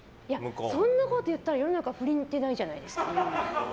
そんなこといったら世の中不倫ってないじゃないですか。